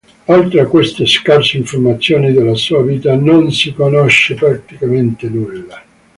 Oltre a queste scarse informazioni della sua vita non si conosce praticamente nulla.